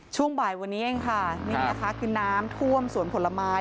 ช่วงบ่ายวันนี้เองค่ะนี่นะคะคือน้ำท่วมสวนผลไม้